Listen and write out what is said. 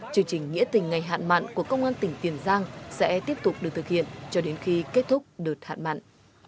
chương trình nghĩa tình ngày hạn mặn của công an tỉnh tiền giang sẽ tiếp tục được thực hiện cho đến khi kết thúc đợt hạn mặn